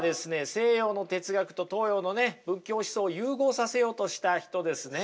西洋の哲学と東洋のね仏教思想を融合させようとした人ですね。